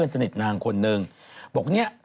ใช่ใช่